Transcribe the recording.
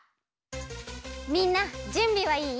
みんなじゅんびはいい？